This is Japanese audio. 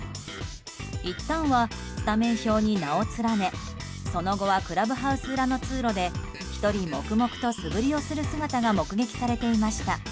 いったんはスタメン表に名を連ねその後はクラブハウス裏の通路で１人、黙々と素振りをする姿が目撃されていました。